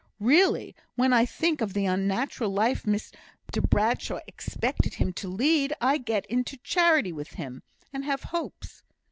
Really, when I think of the unnatural life Mr Bradshaw expected him to lead, I get into charity with him, and have hopes.